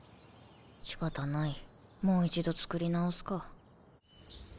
仕方ないもう一度作り直すか。